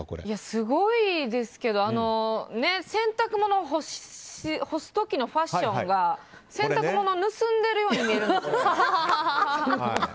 すごいですけど洗濯物を干す時のファッションが洗濯物を盗んでるように見える。